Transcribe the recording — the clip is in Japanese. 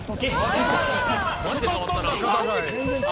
「太っとんな片貝！」